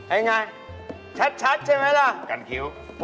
เป็นอย่างไรชัดใช่ไหมล่ะกันคิ้ว